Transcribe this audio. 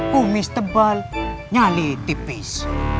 kumis tebal nyali tipis